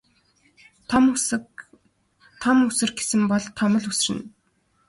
Том үсэр гэсэн бол том л үсэрнэ.